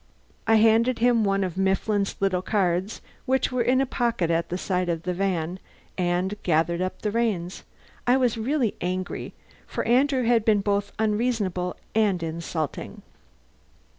I handed him one of Mifflin's little cards, which were in a pocket at the side of the van, and gathered up the reins. I was really angry, for Andrew had been both unreasonable and insulting.